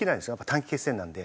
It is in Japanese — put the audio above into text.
短期決戦なので。